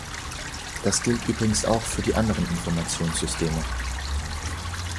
Das gilt übrigens auch für die anderen Informationssysteme.